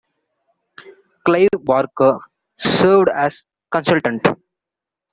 Clive Barker served as consultant.